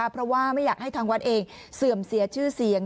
เพราะว่าไม่อยากให้ทางวัดเองเสื่อมเสียชื่อเสียง